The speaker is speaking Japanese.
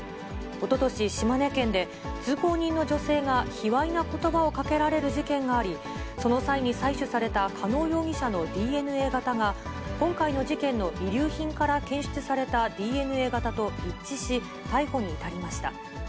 おととし、島根県で通行人の女性が卑わいなことばをかけられる事件があり、その際に採取された加納容疑者のＤＮＡ型が、今回の事件の遺留品から検出されたＤＮＡ型と一致し、逮捕に至りました。